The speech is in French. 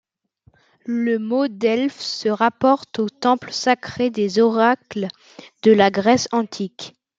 Le mot Delphes se rapporte au temple sacré des oracles de la Grèce antique.